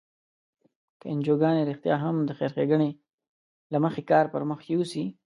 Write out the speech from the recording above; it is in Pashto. که انجوګانې رښتیا هم د خیر ښیګڼې له مخې کار پر مخ یوسي.